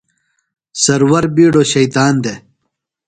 سرور بِیڈوۡ شیطان دےۡ۔